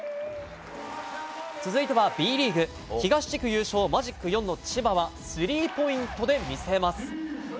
続いてはＢリーグ、東地区優勝、マジック４の千葉は、スリーポイントで見せます。